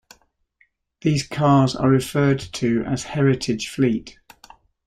These cars are referred to as Heritage Fleet.